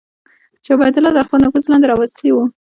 چې عبیدالله تر خپل نفوذ لاندې راوستلي وو.